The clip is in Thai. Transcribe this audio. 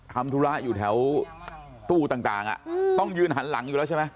ทำธุระอยู่แถวตู้ต่างต้องยืนหันหลังอยู่แล้วใช่ไหม